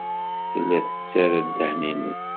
Tella tettarra ddehn-nnes.